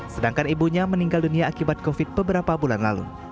sedangkan ibunya meninggal dunia akibat covid beberapa bulan lalu